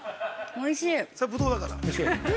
おいしい。